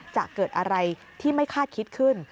จะเกิดอะไรที่ไม่คาดคิดขึ้น